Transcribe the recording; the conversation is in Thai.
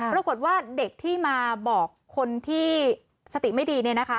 ปรากฏว่าเด็กที่มาบอกคนที่สติไม่ดีเนี่ยนะคะ